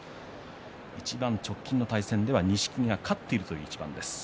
いちばん直近の対戦では錦木が勝っているという一番です。